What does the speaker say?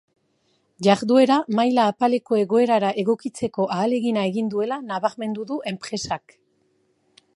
Jarduera maila apaleko egoerara egokitzeko ahalegina egin duela nabarmendu du enpresak.